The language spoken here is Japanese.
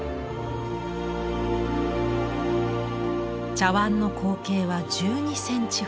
茶碗の口径は１２センチほど。